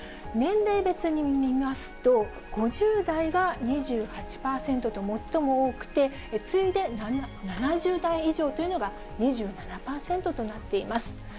年齢別に見ますと、５０代が２８％と最も多くて、次いで７０代以上というのが２７％となっています。